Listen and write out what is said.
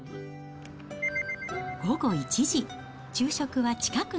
午後１時。